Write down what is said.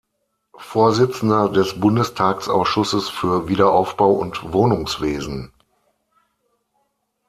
Vorsitzender des Bundestagsausschusses für Wiederaufbau und Wohnungswesen.